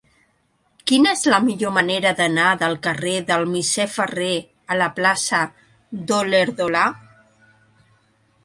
Quina és la millor manera d'anar del carrer del Misser Ferrer a la plaça d'Olèrdola?